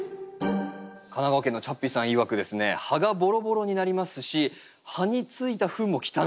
神奈川県のチャッピーさんいわくですね「葉がボロボロになりますし葉についたふんも汚らしい。